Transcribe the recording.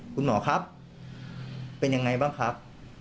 คุณหมอครับเป็นยังไงบ้างครับ